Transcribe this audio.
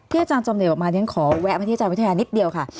พี่อาจารย์จำหน่อยออกมายังขอแวะมาที่อาจารย์วิทยาศาสตร์นิดเดียวค่ะ